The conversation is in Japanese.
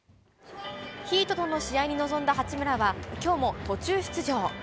ヒートとの試合に臨んだ八村は、きょうも途中出場。